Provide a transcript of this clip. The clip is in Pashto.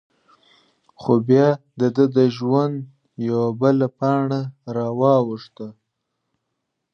خو؛ بیا د دهٔ د ژوند یوه بله پاڼه را واوښته…